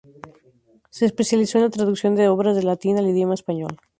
Se especializó en la traducción de obras de latín al idioma español.